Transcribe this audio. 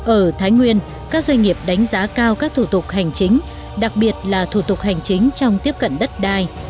ở thái nguyên các doanh nghiệp đánh giá cao các thủ tục hành chính đặc biệt là thủ tục hành chính trong tiếp cận đất đai